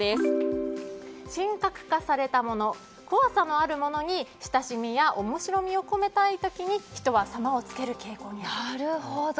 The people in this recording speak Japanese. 神格化されたもの怖さのあるものに親しみや面白味を込めたい時に人は「様」を付ける傾向にある。